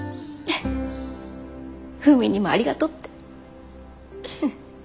フーミンにもありがとうって。